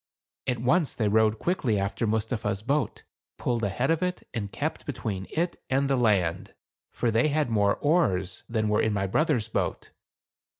At once they rowed quickly after Mustapha's boat, pulled ahead of it, and kept between it and the land ; for they had more oars than were in my brother's boat.